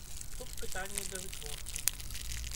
Тут пытанні да вытворцы.